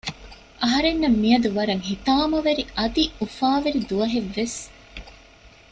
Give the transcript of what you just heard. އަހަރެންނަށް މިއަދު ވަރަށް ހިތާމަވެރި އަދި އުފާވެރި ދުވަހެއް ވެސް